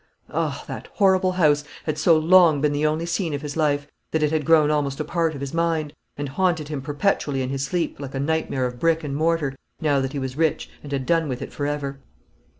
Ah! that horrible house had so long been the only scene of his life, that it had grown almost a part of his mind, and haunted him perpetually in his sleep, like a nightmare of brick and mortar, now that he was rich, and had done with it for ever.